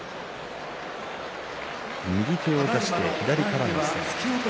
右手を出して左からの攻め。